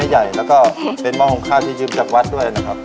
ใหญ่แล้วก็เป็นหม้อหุงข้าวที่ยึดจากวัดด้วยนะครับ